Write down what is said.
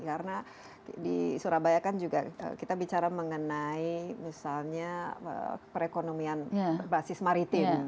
karena di surabaya kan juga kita bicara mengenai misalnya perekonomian basis maritim